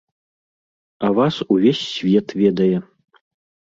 А вас увесь свет ведае!